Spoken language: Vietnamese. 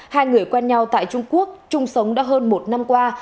hai người quen nhau tại trung quốc chung sống đã hơn một năm qua